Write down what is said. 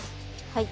はい。